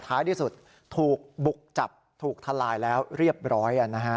ท้ายที่สุดถูกบุกจับถูกทลายแล้วเรียบร้อย